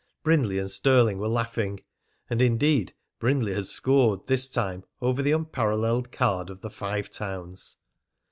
Brindley and Stirling were laughing. And indeed, Brindley had scored, this time, over the unparalleled card of the Five Towns.